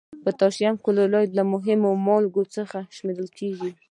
پوتاشیم کلورایډ له مهمو مالګو څخه شمیرل کیږي.